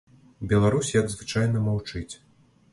Беларусь, як звычайна, маўчыць.